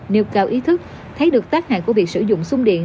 nêu cao ý thức thấy được tác hại của việc sử dụng sung điện